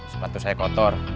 sepatu saya kotor